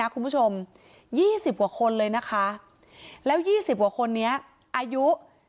คุณผู้ชม๒๐กว่าคนเลยนะคะแล้ว๒๐กว่าคนนี้อายุ